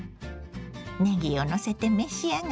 ねぎをのせて召し上がれ。